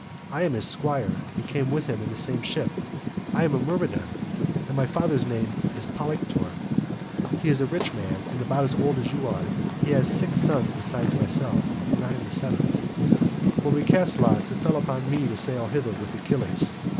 I am his squire, and came with him in the same ship. I am a Myrmidon, and my father's name is Polyctor: he is a rich man and about as old as you are; he has six sons besides myself, and I am the seventh. We cast lots, and it fell upon me to sail hither with Achilles.